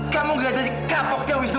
kamu gak ada kapoknya wisnu